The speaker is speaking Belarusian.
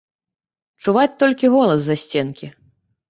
Чуваць толькі голас з-за сценкі.